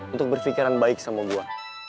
untuk berpikiran baik sama buah